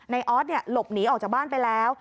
นายอ๊อสเนี่ยหลบหนีออกจากบ้านไปแล้ว